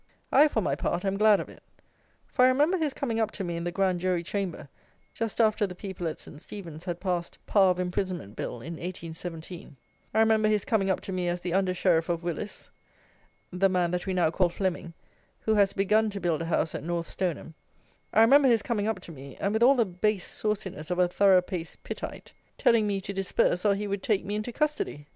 I, for my part, am glad of it; for I remember his coming up to me in the Grand Jury Chamber, just after the people at St. Stephen's had passed Power of Imprisonment Bill in 1817; I remember his coming up to me as the Under Sheriff of Willis, the man that we now call Flemming, who has begun to build a house at North Stoneham; I remember his coming up to me, and with all the base sauciness of a thorough paced Pittite, telling me to disperse or he would take me into custody!